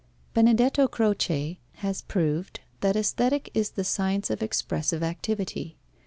Benedetto Croce has proved that Aesthetic is the science of expressive activity.